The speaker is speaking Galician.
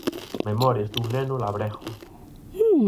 "Memorias dun neno labrego".